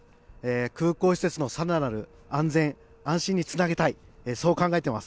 空港施設のさらなる安全安心につなげたい、そう考えてます。